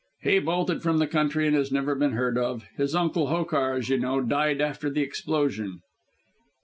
"He bolted from the country and has never been heard of. His uncle, Hokar, as you know, died after the explosion."